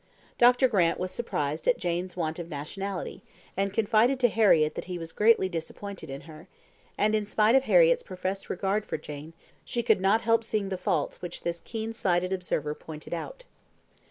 Dr. Grant was surprised at Jane's want of nationality, and confided to Harriett that he was greatly disappointed in her; and in spite of Harriett's professed regard for Jane, she could not help seeing the faults which this keen sighted observer pointed out.